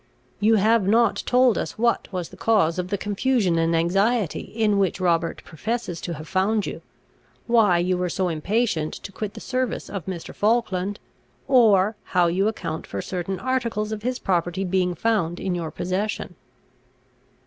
You have not told us what was the cause of the confusion and anxiety in which Robert professes to have found you, why you were so impatient to quit the service of Mr. Falkland, or how you account for certain articles of his property being found in your possession."